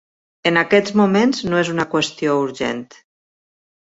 En aquests moments no és una qüestió urgent.